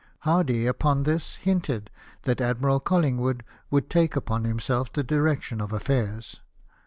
Hardy upon this hinted that Admiral Collingwood would take upon himself the direction of affairs.